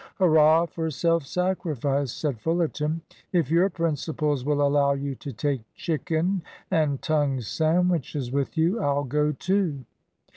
"Hurrah for self sacrifice!" said Fullerton. "If your principles will allow you to take chicken and tongue sandwiches with you, I'll go too."